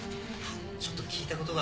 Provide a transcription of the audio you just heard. ちょっと聞いたことが。